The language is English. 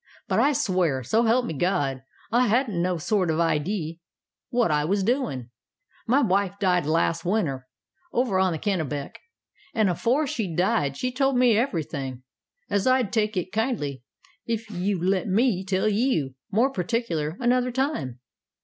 But I swear, so help me God, I hadn't no sort of idee what I was doin'. My wife died las' winter, over on the Kennebec, an' afore she died she told me everything as I'd take it kindly ef you'd let me tell you, more particular, another time.